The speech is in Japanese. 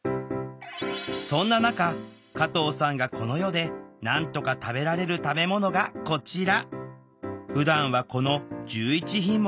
そんな中加藤さんがこの世でなんとか食べられる食べ物がこちら。